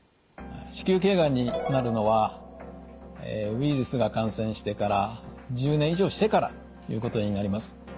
子宮頸がんになるのはウイルスが感染してから１０年以上してからということになります。